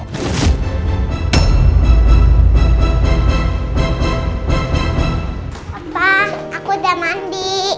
papa aku udah mandi